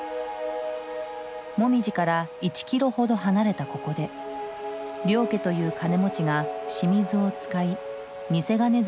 モミジから１キロほど離れたここで領家という金持ちが清水を使い偽金づくりをしていた。